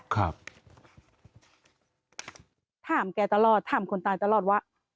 ถามแกตลอดถามคนตายตลอดว่า